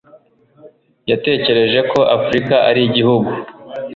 yatekereje ko Afurika ari igihugu.